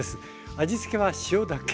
味つけは塩だけ。